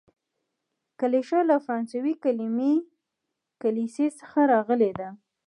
کلیشه له فرانسوي کليمې کلیسې څخه راغلې ده.